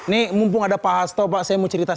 ini mumpung ada pak hasto pak saya mau cerita